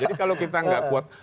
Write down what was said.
jadi kalau kita gak kuat